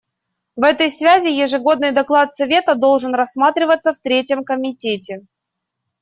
В этой связи ежегодный доклад Совета должен рассматриваться в Третьем комитете.